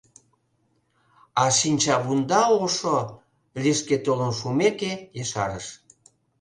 — А шинчавунда ошо, — лишке толын шумеке, ешарыш.